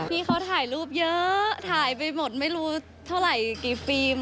ที่เขาถ่ายรูปเยอะถ่ายไปหมดไม่รู้เท่าไหร่กี่ฟิล์ม